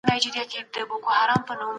مفکرين په خپله ژبه فکر کوي.